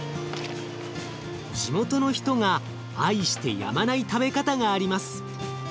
地元の人が愛してやまない食べ方があります。